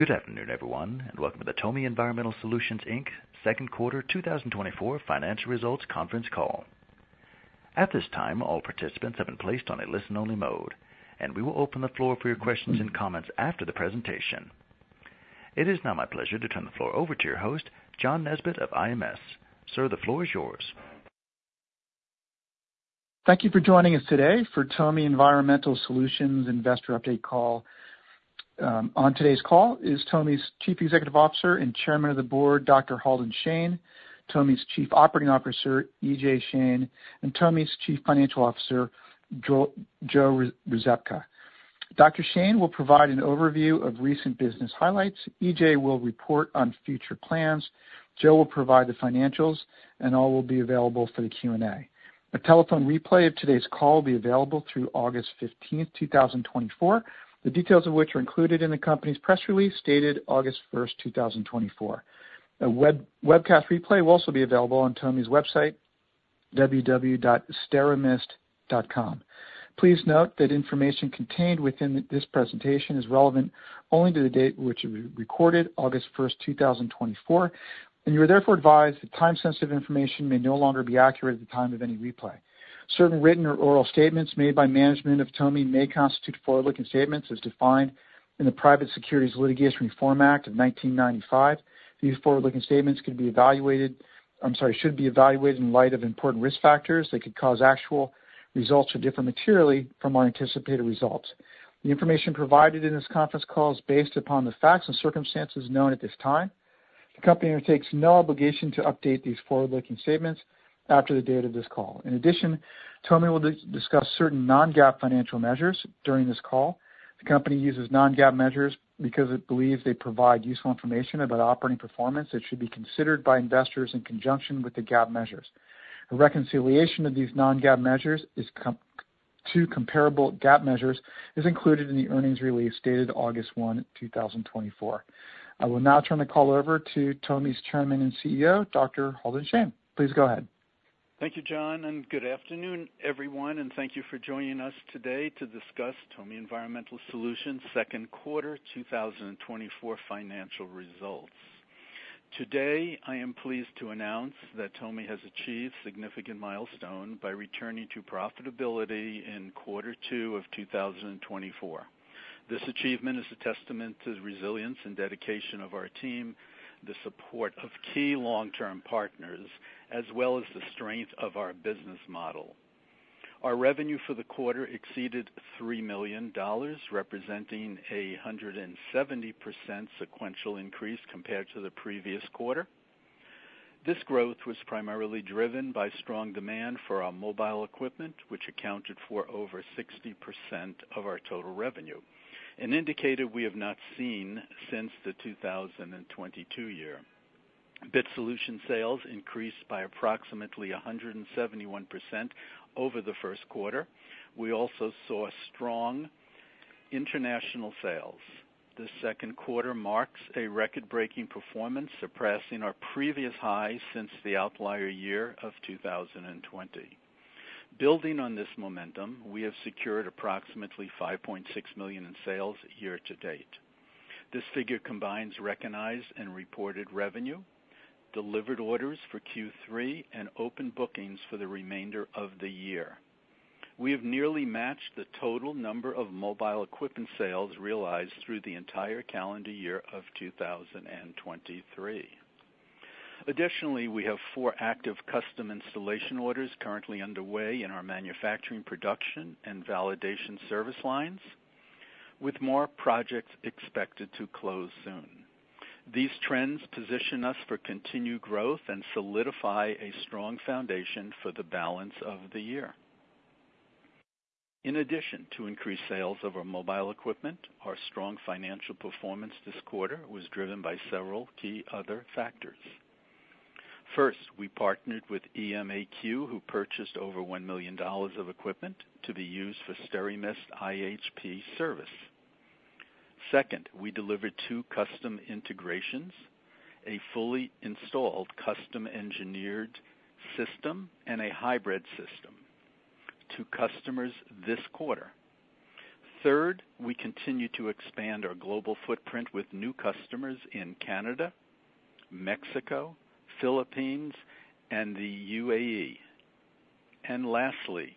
Good afternoon, everyone, and welcome to the TOMI Environmental Solutions, Inc. second quarter 2024 financial results conference call. At this time, all participants have been placed on a listen-only mode, and we will open the floor for your questions and comments after the presentation. It is now my pleasure to turn the floor over to your host, John Nesbett of IMS. Sir, the floor is yours. Thank you for joining us today for TOMI Environmental Solutions investor update call. On today's call is TOMI's Chief Executive Officer and Chairman of the Board, Dr. Halden Shane, TOMI's Chief Operating Officer, E.J. Shane, and TOMI's Chief Financial Officer, Joe Rzepka. Dr. Shane will provide an overview of recent business highlights. E.J. will report on future plans. Joe will provide the financials, and all will be available for the Q&A. A telephone replay of today's call will be available through August 15th, 2024. The details of which are included in the company's press release, dated August 1st, 2024. A webcast replay will also be available on TOMI's website, www.steramist.com. Please note that information contained within this presentation is relevant only to the date which it was recorded, August 1st, 2024, and you are therefore advised that time-sensitive information may no longer be accurate at the time of any replay. Certain written or oral statements made by management of TOMI may constitute forward-looking statements as defined in the Private Securities Litigation Reform Act of 1995. These forward-looking statements should be evaluated in light of important risk factors that could cause actual results to differ materially from our anticipated results. The information provided in this conference call is based upon the facts and circumstances known at this time. The company undertakes no obligation to update these forward-looking statements after the date of this call. In addition, TOMI will discuss certain non-GAAP financial measures during this call. The company uses non-GAAP measures because it believes they provide useful information about operating performance that should be considered by investors in conjunction with the GAAP measures. A reconciliation of these non-GAAP measures to comparable GAAP measures is included in the earnings release dated August 1, 2024. I will now turn the call over to TOMI's Chairman and CEO, Dr. Halden S. Shane. Please go ahead. Thank you, John, and good afternoon, everyone, and thank you for joining us today to discuss TOMI Environmental Solutions' second quarter 2024 financial results. Today, I am pleased to announce that TOMI has achieved significant milestone by returning to profitability in quarter two of 2024. This achievement is a testament to the resilience and dedication of our team, the support of key long-term partners, as well as the strength of our business model. Our revenue for the quarter exceeded $3 million, representing a 170% sequential increase compared to the previous quarter. This growth was primarily driven by strong demand for our mobile equipment, which accounted for over 60% of our total revenue, an indicator we have not seen since the 2022 year. BIT Solution sales increased by approximately 171% over the first quarter. We also saw strong international sales. This second quarter marks a record-breaking performance, surpassing our previous high since the outlier year of 2020. Building on this momentum, we have secured approximately $5.6 million in sales year to date. This figure combines recognized and reported revenue, delivered orders for Q3, and open bookings for the remainder of the year. We have nearly matched the total number of mobile equipment sales realized through the entire calendar year of 2023. Additionally, we have four active custom installation orders currently underway in our manufacturing, production, and validation service lines, with more projects expected to close soon. These trends position us for continued growth and solidify a strong foundation for the balance of the year. In addition to increased sales of our mobile equipment, our strong financial performance this quarter was driven by several key other factors. First, we partnered with EMAQ, who purchased over $1 million of equipment to be used for SteraMist IHP service. Second, we delivered two custom integrations, a fully installed custom engineered system and a hybrid system to customers this quarter. Third, we continue to expand our global footprint with new customers in Canada, Mexico, Philippines, and the UAE. And lastly,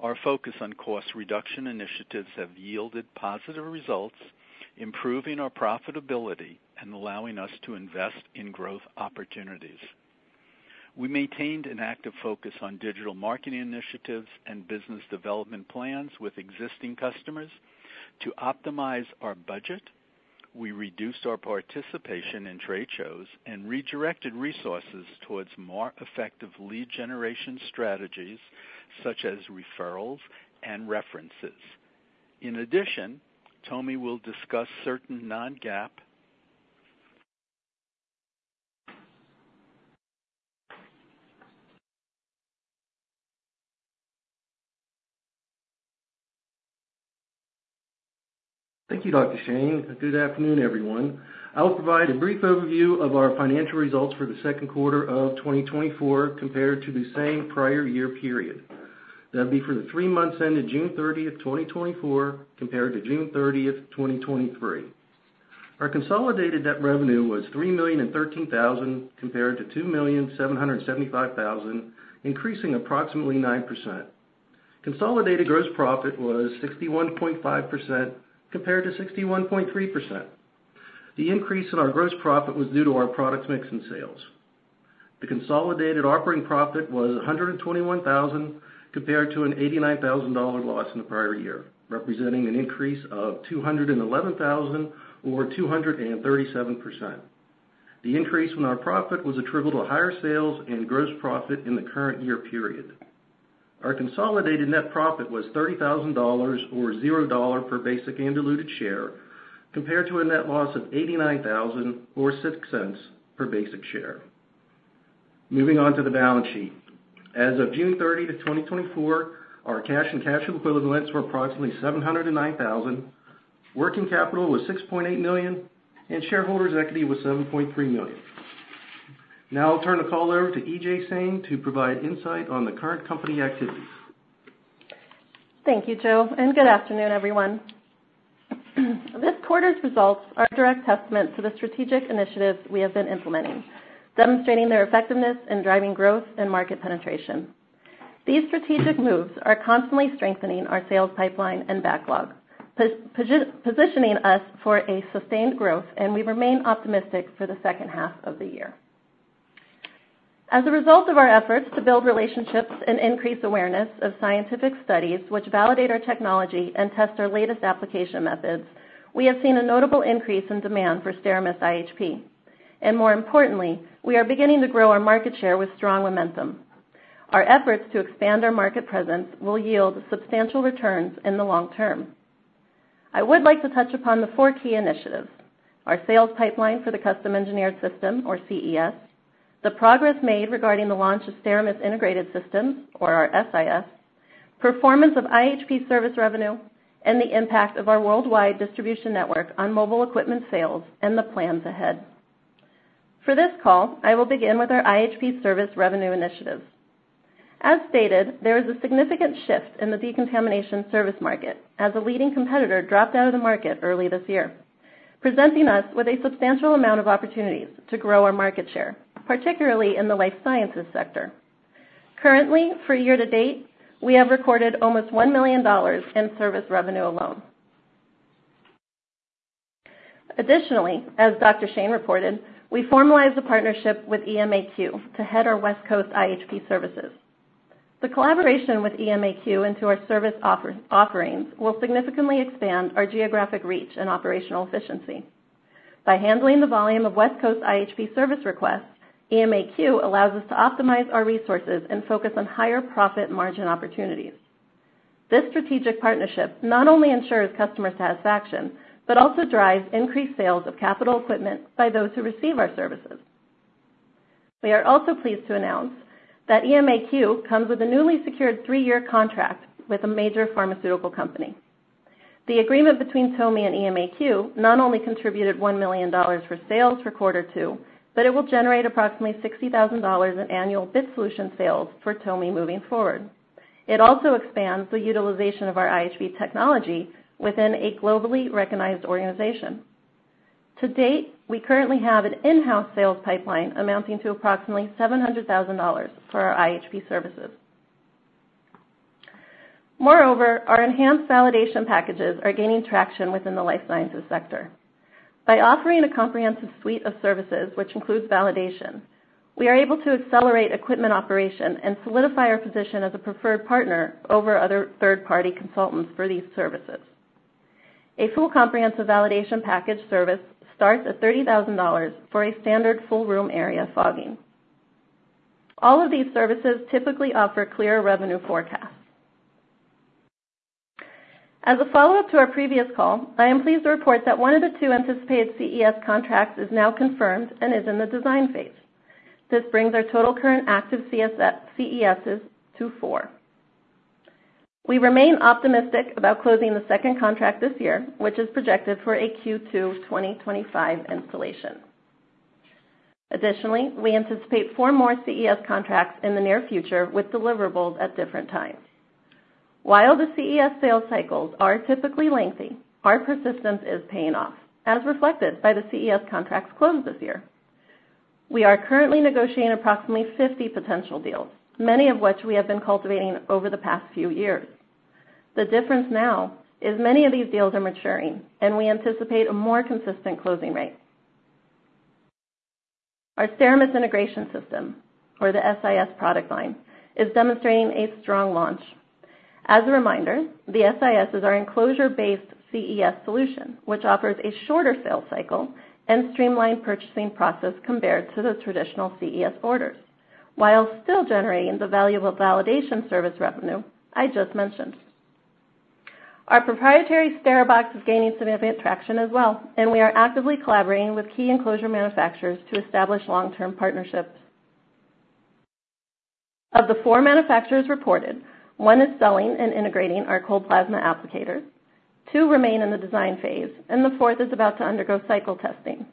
our focus on cost reduction initiatives have yielded positive results, improving our profitability and allowing us to invest in growth opportunities. We maintained an active focus on digital marketing initiatives and business development plans with existing customers. To optimize our budget, we reduced our participation in trade shows and redirected resources towards more effective lead generation strategies, such as referrals and references. In addition, TOMI will discuss certain non-GAAP... Thank you, Dr. Shane, and good afternoon, everyone. I will provide a brief overview of our financial results for the second quarter of 2024 compared to the same prior year period. That'll be for the three months ended June 30, 2024, compared to June 30, 2023. Our consolidated net revenue was $3,013,000, compared to $2,775,000, increasing approximately 9%. Consolidated gross profit was 61.5% compared to 61.3%. The increase in our gross profit was due to our product mix and sales. The consolidated operating profit was $121,000, compared to an $89,000 loss in the prior year, representing an increase of $211,000 or 237%. The increase in our profit was attributable to higher sales and gross profit in the current year period. Our consolidated net profit was $30,000 or $0 per basic and diluted share, compared to a net loss of $89,000 or $0.06 per basic share. Moving on to the balance sheet. As of June 30, 2024, our cash and cash equivalents were approximately $709,000. Working capital was $6.8 million, and shareholders' equity was $7.3 million. Now I'll turn the call over to EJ Shane to provide insight on the current company activities. Thank you, Joe, and good afternoon, everyone. This quarter's results are a direct testament to the strategic initiatives we have been implementing, demonstrating their effectiveness in driving growth and market penetration. These strategic moves are constantly strengthening our sales pipeline and backlog, positioning us for a sustained growth, and we remain optimistic for the second half of the year. As a result of our efforts to build relationships and increase awareness of scientific studies, which validate our technology and test our latest application methods, we have seen a notable increase in demand for SteraMist IHP. And more importantly, we are beginning to grow our market share with strong momentum. Our efforts to expand our market presence will yield substantial returns in the long term. I would like to touch upon the four key initiatives: our sales pipeline for the custom engineered system, or CES, the progress made regarding the launch of SteraMist Integrated Systems, or our SIS, performance of IHP service revenue, and the impact of our worldwide distribution network on mobile equipment sales and the plans ahead. For this call, I will begin with our IHP service revenue initiatives. As stated, there is a significant shift in the decontamination service market as a leading competitor dropped out of the market early this year, presenting us with a substantial amount of opportunities to grow our market share, particularly in the life sciences sector. Currently, for year to date, we have recorded almost $1 million in service revenue alone. Additionally, as Dr. Shane reported, we formalized a partnership with EMAQ to head our West Coast IHP services. The collaboration with EMAQ into our service offerings will significantly expand our geographic reach and operational efficiency. By handling the volume of West Coast IHP service requests, EMAQ allows us to optimize our resources and focus on higher profit margin opportunities. This strategic partnership not only ensures customer satisfaction, but also drives increased sales of capital equipment by those who receive our services. We are also pleased to announce that EMAQ comes with a newly secured three-year contract with a major pharmaceutical company. The agreement between TOMI and EMAQ not only contributed $1 million for sales for quarter two, but it will generate approximately $60,000 in annual BIT Solution sales for TOMI moving forward. It also expands the utilization of our IHP technology within a globally recognized organization. To date, we currently have an in-house sales pipeline amounting to approximately $700,000 for our IHP services. Moreover, our enhanced validation packages are gaining traction within the life sciences sector. By offering a comprehensive suite of services, which includes validation, we are able to accelerate equipment operation and solidify our position as a preferred partner over other third-party consultants for these services. A full comprehensive validation package service starts at $30,000 for a standard full room area fogging. All of these services typically offer clear revenue forecasts. As a follow-up to our previous call, I am pleased to report that one of the two anticipated CES contracts is now confirmed and is in the design phase. This brings our total current active CESs to four. We remain optimistic about closing the second contract this year, which is projected for a Q2 2025 installation. Additionally, we anticipate four more CES contracts in the near future with deliverables at different times. While the CES sales cycles are typically lengthy, our persistence is paying off, as reflected by the CES contracts closed this year. We are currently negotiating approximately 50 potential deals, many of which we have been cultivating over the past few years. The difference now is many of these deals are maturing, and we anticipate a more consistent closing rate. Our SteraMist Integrated System, or the SIS product line, is demonstrating a strong launch. As a reminder, the SIS is our enclosure-based CES solution, which offers a shorter sales cycle and streamlined purchasing process compared to the traditional CES orders, while still generating the valuable validation service revenue I just mentioned. Our proprietary SteraBox is gaining significant traction as well, and we are actively collaborating with key enclosure manufacturers to establish long-term partnerships. Of the four manufacturers reported, one is selling and integrating our cold plasma applicator, two remain in the design phase, and the fourth is about to undergo cycle testing….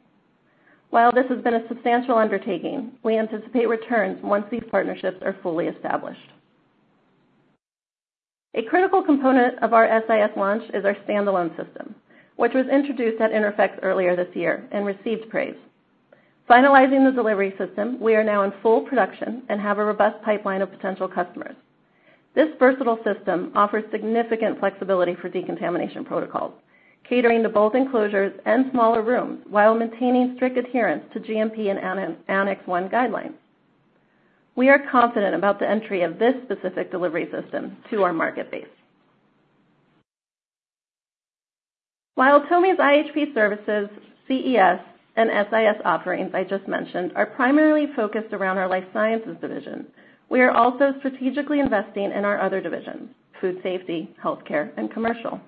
While this has been a substantial undertaking, we anticipate returns once these partnerships are fully established. A critical component of our SIS launch is our standalone system, which was introduced at INTERPHEX earlier this year and received praise. Finalizing the delivery system, we are now in full production and have a robust pipeline of potential customers. This versatile system offers significant flexibility for decontamination protocols, catering to both enclosures and smaller rooms, while maintaining strict adherence to GMP and Annex 1 guidelines. We are confident about the entry of this specific delivery system to our market base. While TOMI's IHP services, CES, and SIS offerings I just mentioned, are primarily focused around our life sciences division, we are also strategically investing in our other divisions, food safety, healthcare, and commercial.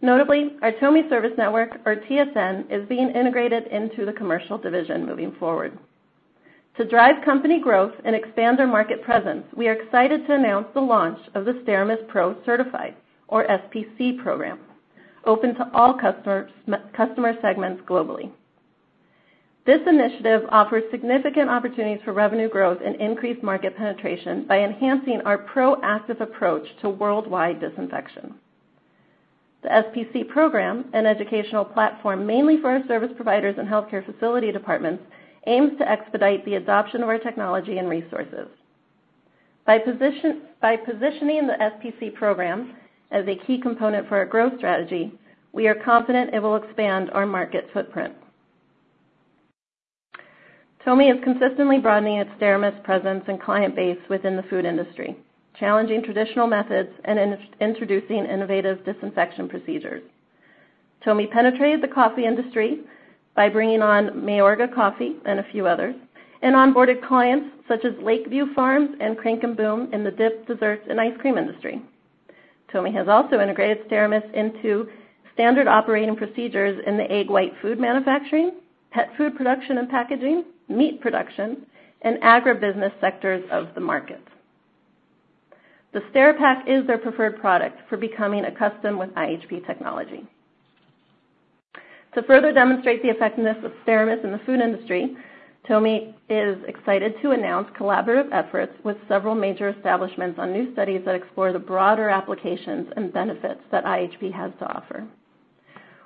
Notably, our TOMI Service Network, or TSN, is being integrated into the commercial division moving forward. To drive company growth and expand our market presence, we are excited to announce the launch of the SteraMist Pro Certified, or SPC program, open to all customer segments globally. This initiative offers significant opportunities for revenue growth and increased market penetration by enhancing our proactive approach to worldwide disinfection. The SPC program, an educational platform mainly for our service providers and healthcare facility departments, aims to expedite the adoption of our technology and resources. By positioning the SPC program as a key component for our growth strategy, we are confident it will expand our market footprint. TOMI is consistently broadening its SteraMist presence and client base within the food industry, challenging traditional methods and introducing innovative disinfection procedures. TOMI penetrated the coffee industry by bringing on Mayorga Coffee and a few others, and onboarded clients such as Lakeview Farms and Crank & Boom in the dip, desserts, and ice cream industry. TOMI has also integrated SteraMist into standard operating procedures in the egg white food manufacturing, pet food production and packaging, meat production, and agribusiness sectors of the market. The SteraPak is their preferred product for becoming accustomed with IHP technology. To further demonstrate the effectiveness of SteraMist in the food industry, TOMI is excited to announce collaborative efforts with several major establishments on new studies that explore the broader applications and benefits that IHP has to offer.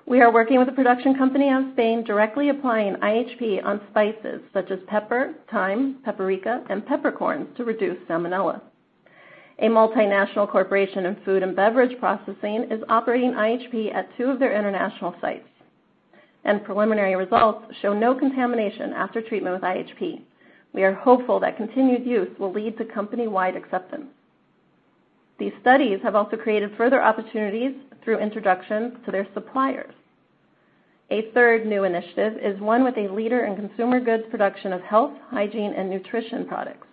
We are working with a production company out of Spain, directly applying IHP on spices such as pepper, thyme, paprika, and peppercorns to reduce Salmonella. A multinational corporation in food and beverage processing is operating IHP at two of their international sites, and preliminary results show no contamination after treatment with IHP. We are hopeful that continued use will lead to company-wide acceptance. These studies have also created further opportunities through introductions to their suppliers. A third new initiative is one with a leader in consumer goods production of health, hygiene, and nutrition products.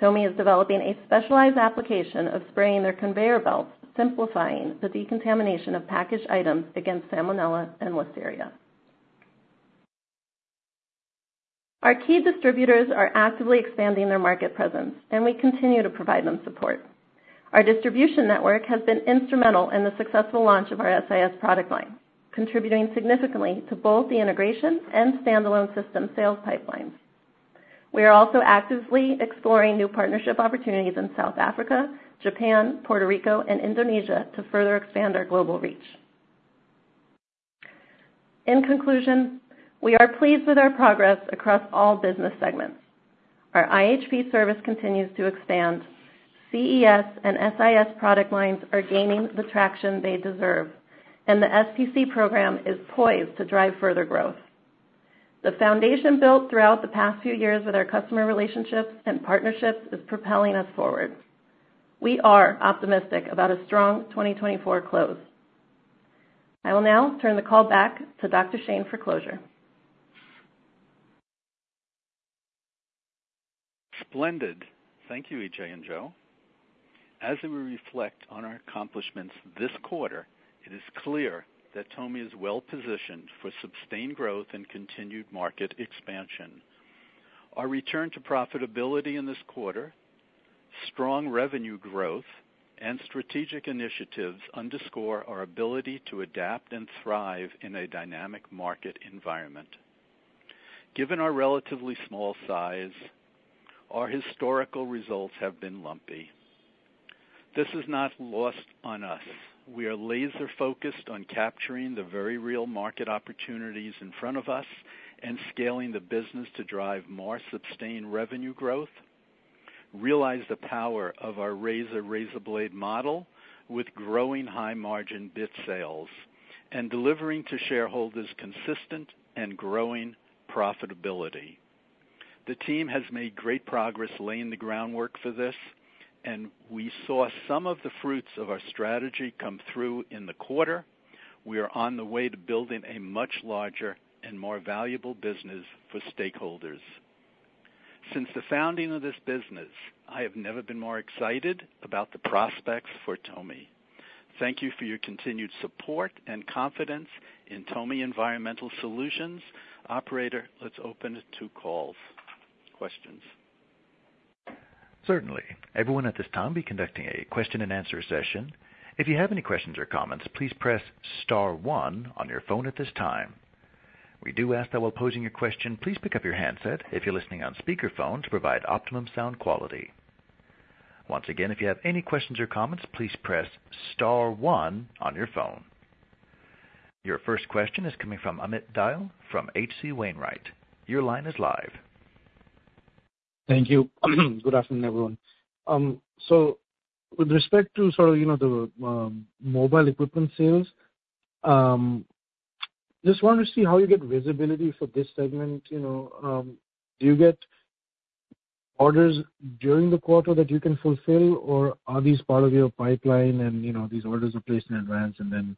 TOMI is developing a specialized application of spraying their conveyor belts, simplifying the decontamination of packaged items against Salmonella and Listeria. Our key distributors are actively expanding their market presence, and we continue to provide them support. Our distribution network has been instrumental in the successful launch of our SIS product line, contributing significantly to both the integration and standalone system sales pipelines. We are also actively exploring new partnership opportunities in South Africa, Japan, Puerto Rico, and Indonesia to further expand our global reach. In conclusion, we are pleased with our progress across all business segments. Our IHP service continues to expand. CES and SIS product lines are gaining the traction they deserve, and the SPC program is poised to drive further growth. The foundation built throughout the past few years with our customer relationships and partnerships is propelling us forward. We are optimistic about a strong 2024 close. I will now turn the call back to Dr. Shane for closure. Splendid. Thank you, E.J. and Joe. As we reflect on our accomplishments this quarter, it is clear that TOMI is well-positioned for sustained growth and continued market expansion. Our return to profitability in this quarter, strong revenue growth, and strategic initiatives underscore our ability to adapt and thrive in a dynamic market environment. Given our relatively small size, our historical results have been lumpy. This is not lost on us. We are laser-focused on capturing the very real market opportunities in front of us and scaling the business to drive more sustained revenue growth, realize the power of our razor-razor blade model with growing high-margin BIT sales, and delivering to shareholders consistent and growing profitability. The team has made great progress laying the groundwork for this, and we saw some of the fruits of our strategy come through in the quarter. We are on the way to building a much larger and more valuable business for stakeholders. Since the founding of this business, I have never been more excited about the prospects for TOMI. Thank you for your continued support and confidence in TOMI Environmental Solutions. Operator, let's open it to calls. Questions? Certainly. Everyone at this time, we'll be conducting a question and answer session. If you have any questions or comments, please press star one on your phone at this time. We do ask that while posing your question, please pick up your handset if you're listening on speakerphone, to provide optimum sound quality. Once again, if you have any questions or comments, please press star one on your phone. Your first question is coming from Amit Dayal from HC Wainwright. Your line is live. Thank you. Good afternoon, everyone. So with respect to sort of, you know, the mobile equipment sales, just wanted to see how you get visibility for this segment. You know, do you get orders during the quarter that you can fulfill? Or are these part of your pipeline and, you know, these orders are placed in advance and then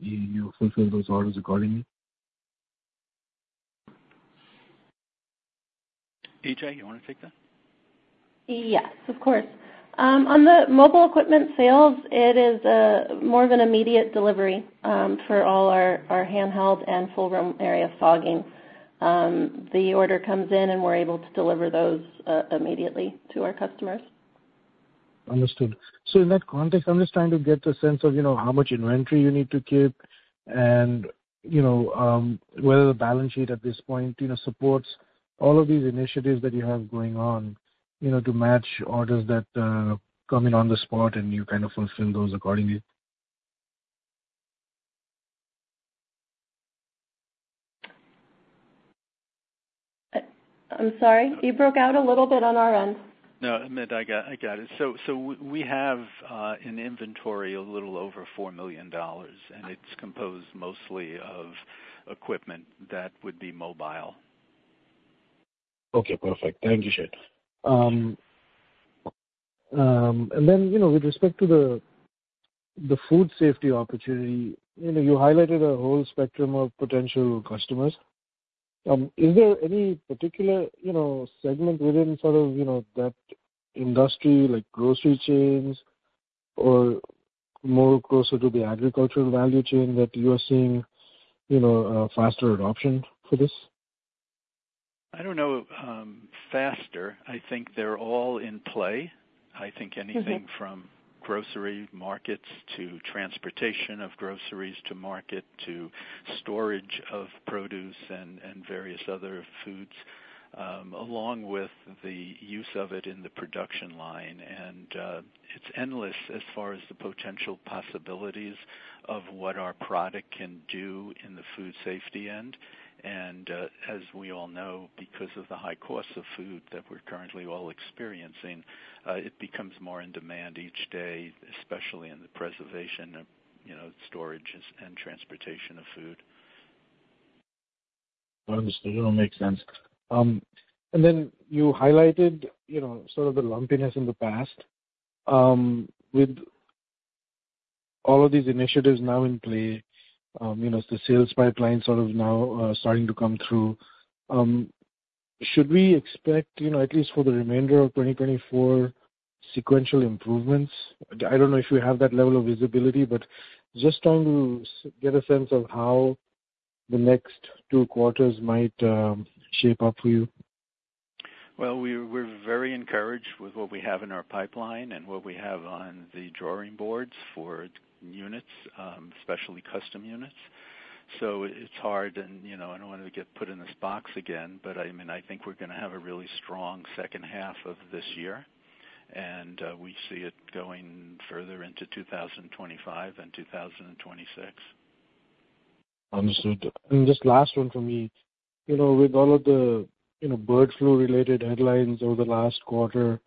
you fulfill those orders accordingly? E.J., you want to take that? Yes, of course. On the mobile equipment sales, it is more of an immediate delivery for all our handheld and full room area fogging. The order comes in, and we're able to deliver those immediately to our customers. Understood. So in that context, I'm just trying to get a sense of, you know, how much inventory you need to keep, and, you know, whether the balance sheet at this point, you know, supports all of these initiatives that you have going on, you know, to match orders that come in on the spot, and you kind of fulfill those accordingly. I'm sorry. You broke out a little bit on our end. No, Amit, I got it. So we have an inventory a little over $4 million, and it's composed mostly of equipment that would be mobile. Okay, perfect. Thank you, Shane. And then, you know, with respect to the food safety opportunity, you know, you highlighted a whole spectrum of potential customers. Is there any particular, you know, segment within sort of, you know, that industry, like grocery chains or more closer to the agricultural value chain, that you are seeing, you know, a faster adoption for this? I don't know, faster. I think they're all in play. I think anything from grocery markets to transportation of groceries to market, to storage of produce and various other foods, along with the use of it in the production line. And it's endless as far as the potential possibilities of what our product can do in the food safety end. And as we all know, because of the high cost of food that we're currently all experiencing, it becomes more in demand each day, especially in the preservation of, you know, storage and transportation of food. Understood. No, it makes sense. And then you highlighted, you know, sort of the lumpiness in the past. With all of these initiatives now in play, you know, the sales pipeline sort of now starting to come through, should we expect, you know, at least for the remainder of 2024, sequential improvements? I don't know if you have that level of visibility, but just trying to get a sense of how the next two quarters might shape up for you. Well, we're very encouraged with what we have in our pipeline and what we have on the drawing boards for units, especially custom units. So it's hard and, you know, I don't want to get put in this box again, but, I mean, I think we're gonna have a really strong second half of this year, and we see it going further into 2025 and 2026. Understood. And just last one for me. You know, with all of the, you know, bird flu-related headlines over the last quarter-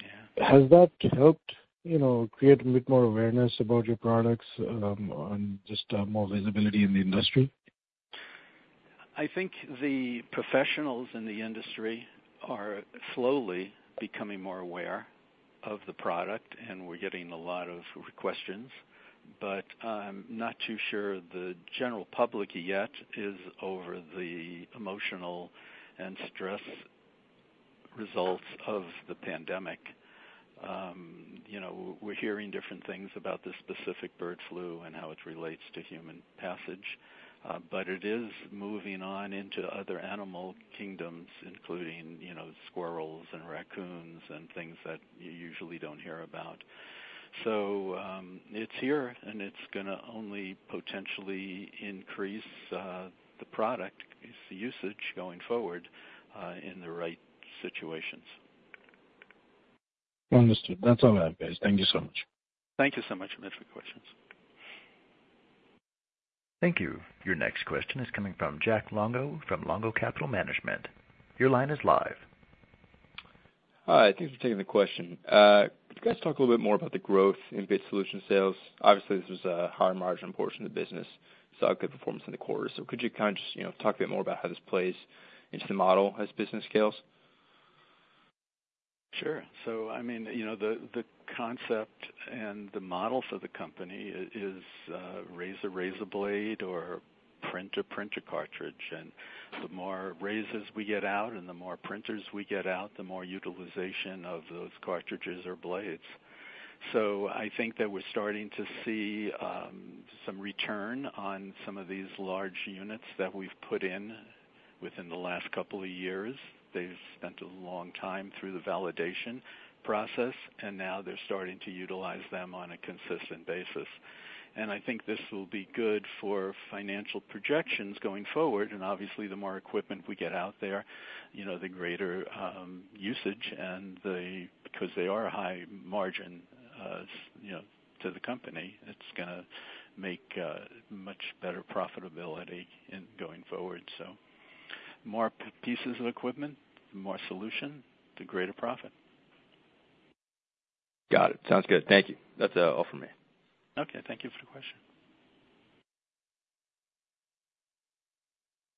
Yeah. Has that helped, you know, create a bit more awareness about your products, on just more visibility in the industry? I think the professionals in the industry are slowly becoming more aware of the product, and we're getting a lot of questions, but I'm not too sure the general public yet is over the emotional and stress results of the pandemic. You know, we're hearing different things about this specific bird flu and how it relates to human passage, but it is moving on into other animal kingdoms, including, you know, squirrels and raccoons and things that you usually don't hear about. So, it's here, and it's gonna only potentially increase the product usage going forward, in the right situations. Understood. That's all I have, guys. Thank you so much. Thank you so much, Amit, for the questions. Thank you. Your next question is coming from Jack Longo, from Longo Capital Management. Your line is live. Hi, thank you for taking the question. Could you guys talk a little bit more about the growth in BIT Solution sales? Obviously, this is a higher margin portion of the business, saw good performance in the quarter. So could you kind of just, you know, talk a bit more about how this plays into the model as business scales? Sure. So, I mean, you know, the concept and the model for the company is razor, razor blade, or printer, printer cartridge. And the more razors we get out and the more printers we get out, the more utilization of those cartridges or blades. So I think that we're starting to see some return on some of these large units that we've put in within the last couple of years. They've spent a long time through the validation process, and now they're starting to utilize them on a consistent basis. And I think this will be good for financial projections going forward. And obviously, the more equipment we get out there, you know, the greater usage because they are high margin, you know, to the company, it's gonna make much better profitability in going forward. More pieces of equipment, more solution to greater profit. Got it. Sounds good. Thank you. That's all for me. Okay, thank you for the question.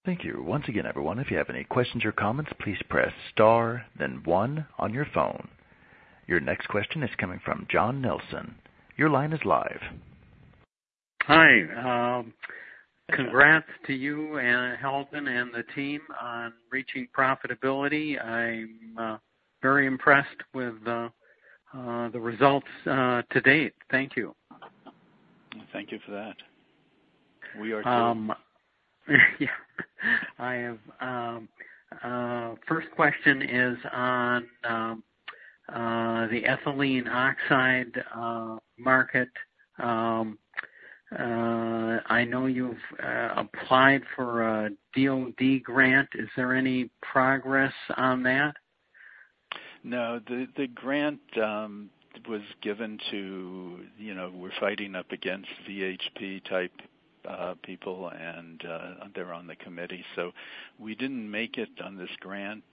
Thank you. Once again, everyone, if you have any questions or comments, please press Star then one on your phone. Your next question is coming from John Nelson. Your line is live. Hi, congrats to you and Holden and the team on reaching profitability. I'm very impressed with the results to date. Thank you. Thank you for that. We are, too. Yeah, first question is on the ethylene oxide market. I know you've applied for a DoD grant. Is there any progress on that? No, the grant was given to, you know, we're fighting up against VHP type people, and they're on the committee, so we didn't make it on this grant,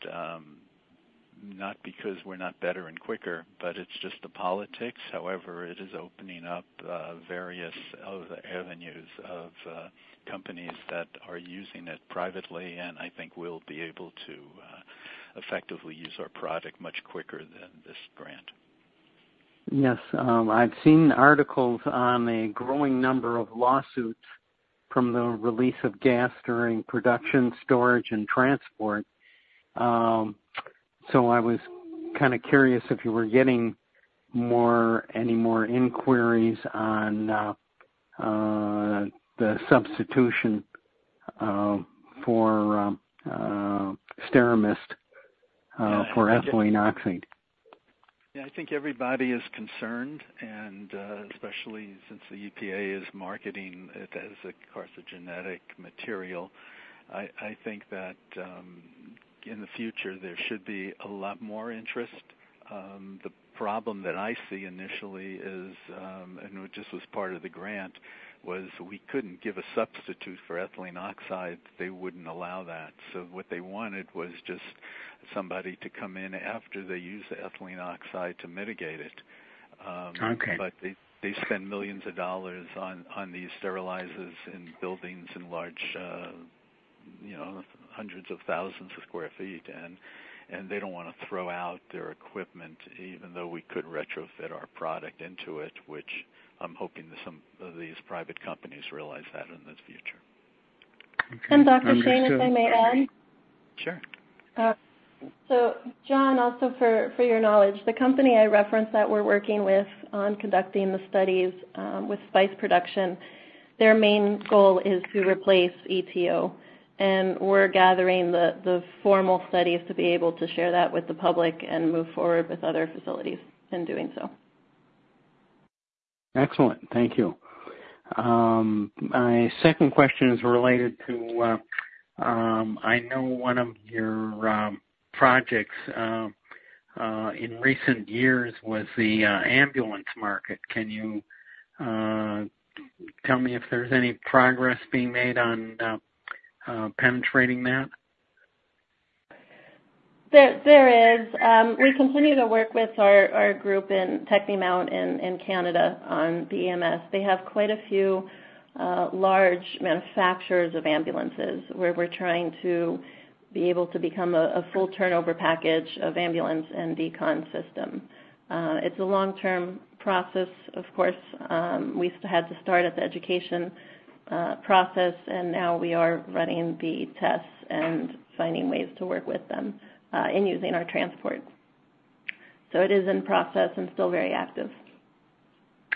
not because we're not better and quicker, but it's just the politics. However, it is opening up various other avenues of companies that are using it privately, and I think we'll be able to effectively use our product much quicker than this grant. Yes. I've seen articles on a growing number of lawsuits from the release of gas during production, storage, and transport. So I was kind of curious if you were getting any more inquiries on the substitution for SteraMist for ethylene oxide. Yeah, I think everybody is concerned and, especially since the EPA is marketing it as a carcinogenic material. I think that in the future there should be a lot more interest. The problem that I see initially is, and which this was part of the grant, was we couldn't give a substitute for ethylene oxide, they wouldn't allow that. So what they wanted was just somebody to come in after they use the ethylene oxide to mitigate it. Okay. But they spend millions of dollars on these sterilizers and buildings and large, you know, hundreds of thousands sq ft, and they don't want to throw out their equipment, even though we could retrofit our product into it, which I'm hoping that some of these private companies realize that in the future. Okay. And, Dr. Shane, if I may add? Sure. So John, also for your knowledge, the company I referenced that we're working with on conducting the studies with spice production, their main goal is to replace ETO, and we're gathering the formal studies to be able to share that with the public and move forward with other facilities in doing so. Excellent. Thank you. My second question is related to, I know one of your projects in recent years was the ambulance market. Can you tell me if there's any progress being made on penetrating that? There, there is. We continue to work with our group in Technimount in Canada on EMS. They have quite a few large manufacturers of ambulances, where we're trying to be able to become a full turnover package of ambulance and decon system. It's a long-term process, of course. We've had to start at the education process, and now we are running the tests and finding ways to work with them in using our transport. So it is in process and still very active.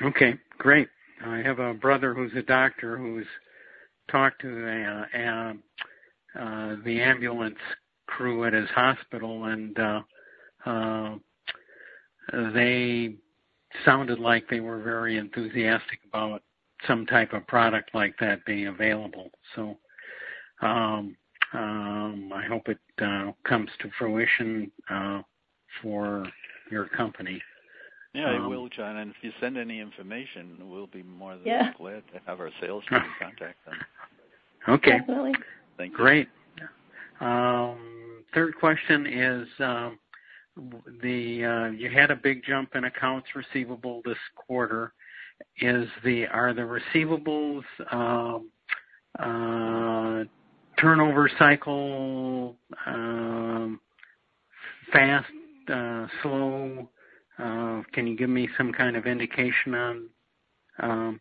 Okay, great. I have a brother who's a doctor, who's talked to the ambulance crew at his hospital, and they sounded like they were very enthusiastic about some type of product like that being available. So, I hope it comes to fruition for your company. Yeah, it will, John, and if you send any information, we'll be more than- Yeah Glad to have our sales team contact them. Okay. Absolutely. Thank you. Great. Third question is, you had a big jump in accounts receivable this quarter. Are the receivables turnover cycle fast, slow? Can you give me some kind of indication on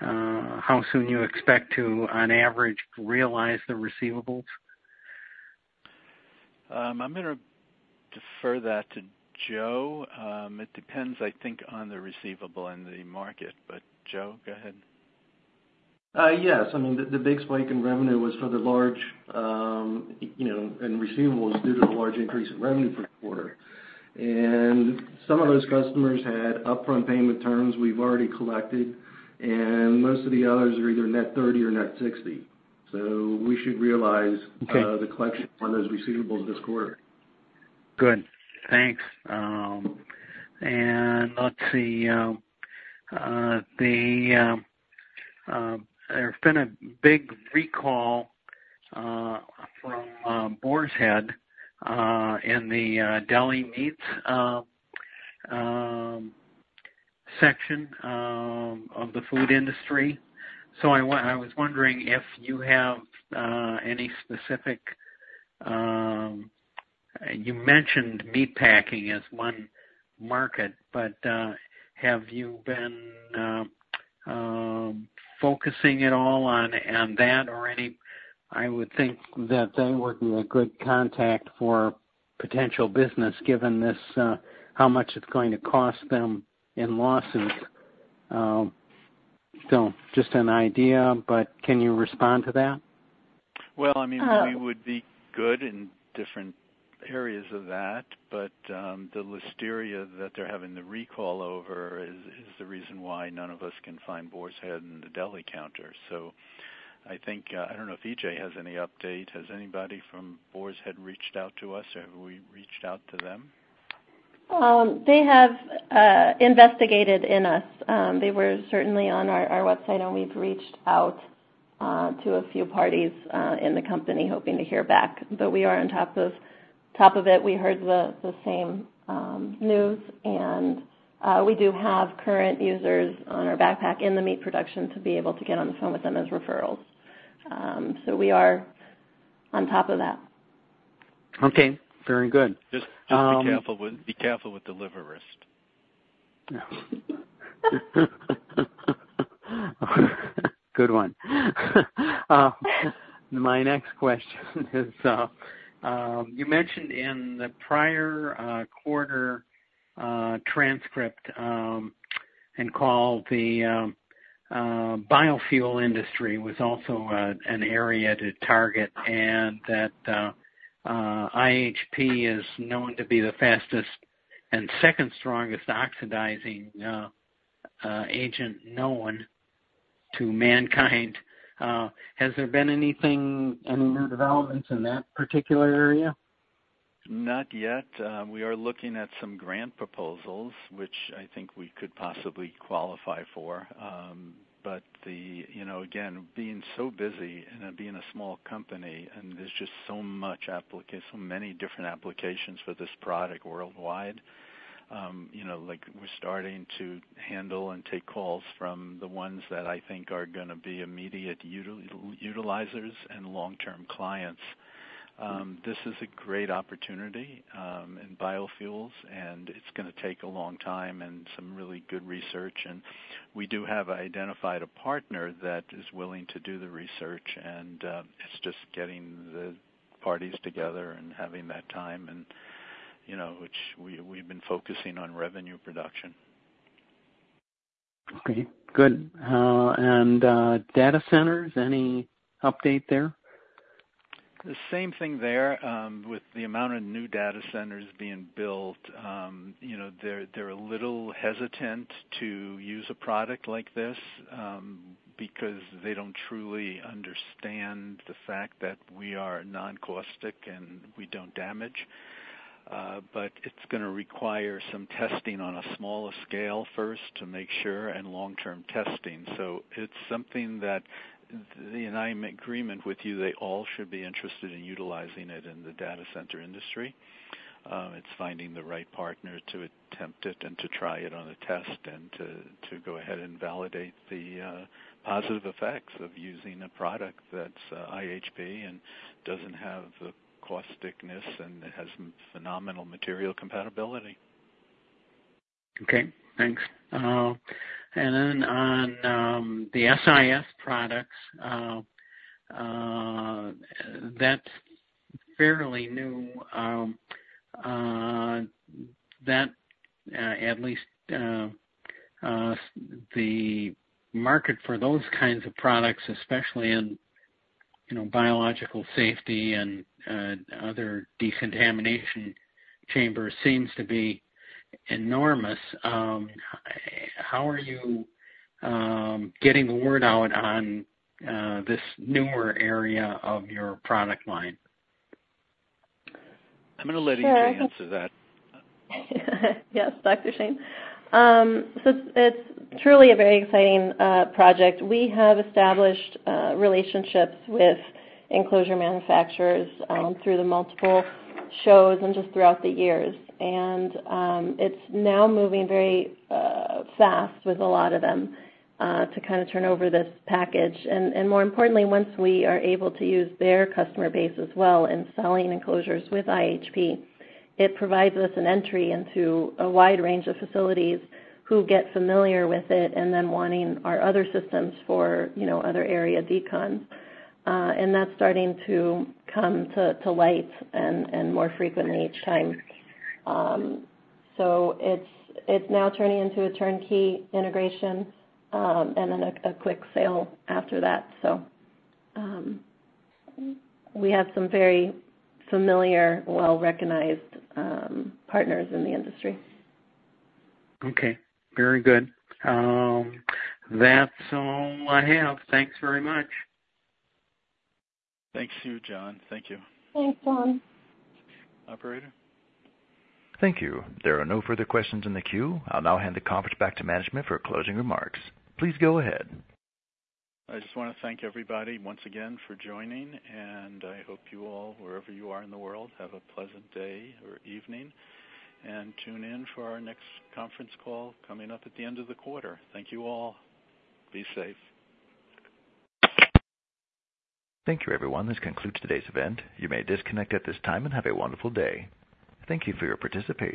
how soon you expect to, on average, realize the receivables? ...I'm gonna defer that to Joe. It depends, I think, on the receivable and the market, but Joe, go ahead. Yes. I mean, the big spike in revenue was for the large, you know, and receivables, due to the large increase in revenue per quarter. And some of those customers had upfront payment terms we've already collected, and most of the others are either net thirty or net sixty. So we should realize- Okay. The collection on those receivables this quarter. Good. Thanks. And let's see, there's been a big recall from Boar's Head in the deli meats section of the food industry. So I was wondering if you have any specific—you mentioned meat packing as one market, but have you been focusing at all on that or any—I would think that they would be a good contact for potential business, given this, how much it's going to cost them in lawsuits. So just an idea, but can you respond to that? Well, I mean, we would be good in different areas of that, but the listeria that they're having the recall over is the reason why none of us can find Boar's Head in the deli counter. So I think I don't know if EJ has any update. Has anybody from Boar's Head reached out to us, or have we reached out to them? They have invested in us. They were certainly on our website, and we've reached out to a few parties in the company hoping to hear back. But we are on top of it. We heard the same news, and we do have current users on our backpack in the meat production to be able to get on the phone with them as referrals. So we are on top of that. Okay, very good. Just be careful with the liver risk. Good one. My next question is, you mentioned in the prior quarter transcript and call, the biofuel industry was also an area to target, and that IHP is known to be the fastest and second strongest oxidizing agent known to mankind. Has there been anything, any new developments in that particular area? Not yet. We are looking at some grant proposals, which I think we could possibly qualify for. But the, you know, again, being so busy and then being a small company, and there's just so many different applications for this product worldwide, you know, like, we're starting to handle and take calls from the ones that I think are gonna be immediate utilizers and long-term clients. This is a great opportunity, in biofuels, and it's gonna take a long time and some really good research. And we do have identified a partner that is willing to do the research, and it's just getting the parties together and having that time and, you know, which we, we've been focusing on revenue production. Okay, good. And, data centers, any update there? The same thing there. With the amount of new data centers being built, you know, they're, they're a little hesitant to use a product like this, because they don't truly understand the fact that we are non-caustic and we don't damage. But it's gonna require some testing on a smaller scale first to make sure and long-term testing. So it's something that, and I'm in agreement with you, they all should be interested in utilizing it in the data center industry. It's finding the right partner to attempt it and to try it on a test and to, to go ahead and validate the, positive effects of using a product that's, IHP and doesn't have the causticity and has phenomenal material compatibility. Okay, thanks. And then on the SIS products, that's fairly new, that the market for those kinds of products, especially in, you know, biological safety and other decontamination chambers, seems to be enormous. How are you getting the word out on this newer area of your product line? I'm gonna let EJ answer that. Yes, Dr. Shane. So it's truly a very exciting project. We have established relationships with enclosure manufacturers through the multiple shows and just throughout the years. And it's now moving very fast with a lot of them to kind of turn over this package. And more importantly, once we are able to use their customer base as well in selling enclosures with IHP, it provides us an entry into a wide range of facilities who get familiar with it and then wanting our other systems for, you know, other area decon. And that's starting to come to light and more frequently each time. So it's now turning into a turnkey integration and then a quick sale after that. So we have some very familiar, well-recognized partners in the industry. Okay, very good. That's all I have. Thanks very much. Thank you, John. Thank you. Thanks, John. Operator? Thank you. There are no further questions in the queue. I'll now hand the conference back to management for closing remarks. Please go ahead. I just wanna thank everybody once again for joining, and I hope you all, wherever you are in the world, have a pleasant day or evening, and tune in for our next conference call coming up at the end of the quarter. Thank you all. Be safe. Thank you, everyone. This concludes today's event. You may disconnect at this time and have a wonderful day. Thank you for your participation.